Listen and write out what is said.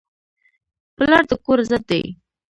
پلار د کور عزت دی.